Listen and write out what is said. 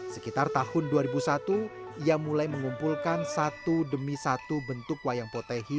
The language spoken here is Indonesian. sekitar tahun dua ribu satu ia mulai mengumpulkan satu demi satu bentuk wayang potehi